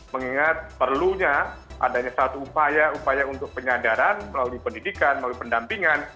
mengingat perlunya adanya satu upaya upaya untuk penyadaran melalui pendidikan melalui pendampingan